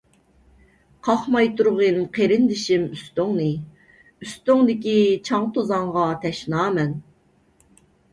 قاقماي تۇرغىن قېرىندىشىم ئۈستۈڭنى، ئۈستۈڭدىكى چاڭ-توزانغا تەشنامەن.